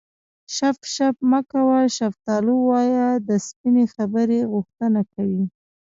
شف شف مه کوه شفتالو ووایه د سپینې خبرې غوښتنه کوي